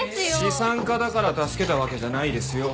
資産家だから助けたわけじゃないですよ。